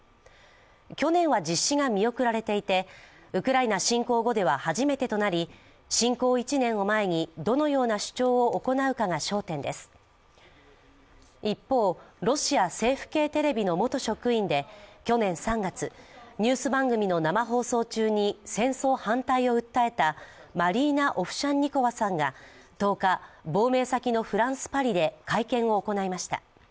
去年は実施がみオクラ晴れていて、ウクライナ進行後初めてとなり、侵攻１年を前に、どのような主張を行うかが焦点です一方、ロシア政府系テレビの元職員で去年３月、ニュース番組の生放送中に戦争反対を訴えたマリーナ・オフシャンニコワさんが１０日、亡命先のフランス・パリで会見を行いました、